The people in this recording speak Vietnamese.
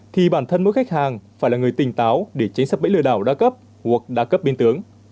thì bản thân mỗi khách hàng phải là người tỉnh táo để tránh sập bẫy lừa đảo đa cấp hoặc đa cấp biên tướng